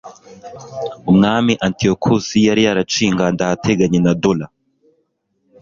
umwami antiyokusi yari yaraciye ingando ahateganye na dora